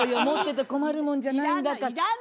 持ってて困るもんじゃないんだから。